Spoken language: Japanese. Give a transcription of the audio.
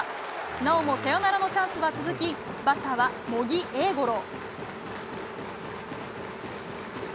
なおもサヨナラのチャンスは続きバッターは茂木栄五郎。